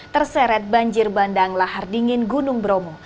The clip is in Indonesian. terseret banjir bandang lahar dingin gunung bromo